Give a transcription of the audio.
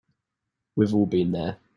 We've all been there.